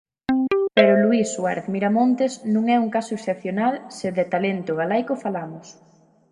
Pero Luís Suarez Miramontes non é un caso excepcional se de talento galaico falamos.